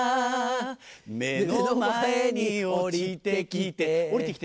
目の前におりてきて